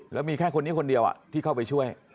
แล้วมีแค่คนนี้คนเดียวที่เข้าไปช่วย